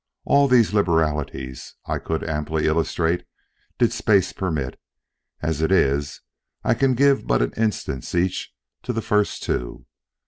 All these liberalities I could amply illustrate did space permit; as it is, I can give but an instance each to the first two.